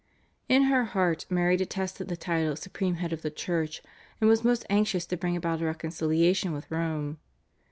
In her heart Mary detested the title supreme head of the Church, and was most anxious to bring about a reconciliation with Rome.